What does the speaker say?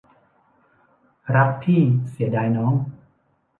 รักพี่เสียดายน้อง